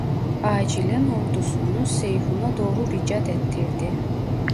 Acilen ordusunu Seyhun'a doğru ricat ettirdi.